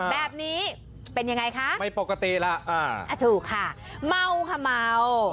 แบบนี้เป็นยังไงคะไม่ปกติล่ะอ่าถูกค่ะเมาค่ะเมา